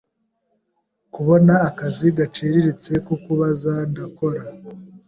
kubona akazi gaciriritse ko kubaza ndakora